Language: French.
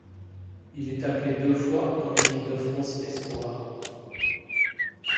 Il est appelé deux fois en équipe de France Espoirs.